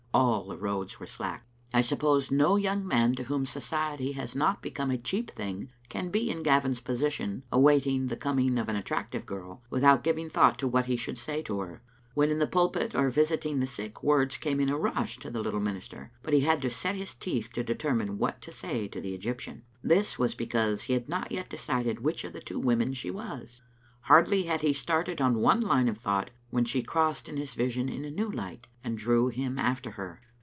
All the roads were slack. I suppose no young man to whom society has not become a cheap thing can be in Gavin's position, await ing the coming of an attractive girl, without giving thought to what he should say to her. When in the pulpit or visiting the sick, words came in a rush to the little minister, but he had to set his teeth to determine what to say to the Egyptian. This was because he had not yet decided which of two women she was. Hardly had he started on one line of thought when she crossed his vision in a new light, and drew him after her.